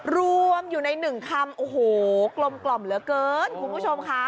รวมอยู่ในหนึ่งคำโอ้โหกลมกล่อมเหลือเกินคุณผู้ชมค่ะ